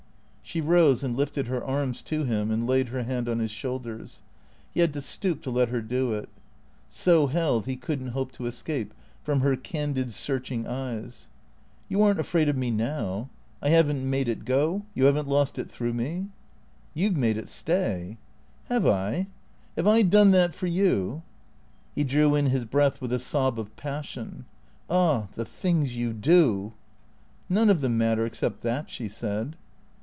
She rose and lifted her arms to him and laid her hand on his shoulders. He had to stoop to let her do it. So held, he could n't hope to escape from her candid, searching eyes. " You are n't afraid of me now ? I have n't made it go ? You have n't lost it through me ?"" You 've made it stay." " Have I ? Have I done that for you ?" He drew in his breath with a sob of passion. " Ah — the things you do !"" None of them matter except that," she said.